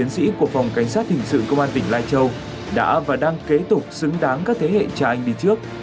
sĩ của phòng cảnh sát hình sự công an tỉnh lai châu đã và đang kế tục xứng đáng các thế hệ cha anh đi trước